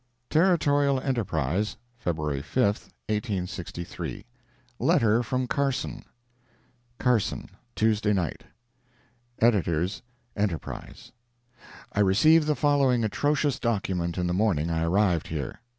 Territorial Enterprise, February 5, 1863 LETTER FROM CARSON CARSON, Tuesday Night. EDS. ENTERPRISE: I received the following atrocious document the morning I arrived here.